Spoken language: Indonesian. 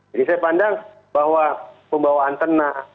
jadi saya pandang bahwa pembawaan tenang